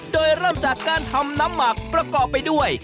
โดยเริ่มจากการทำน้ำหมักประกอบไปด้วย